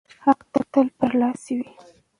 حق تل برلاسی وي.